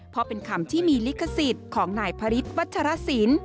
เพราะเป็นคำที่มีลิขสิทธิ์ของนายพระฤทธิวัชรสิน